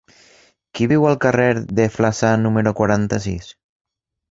Qui viu al carrer de Flaçà número quaranta-sis?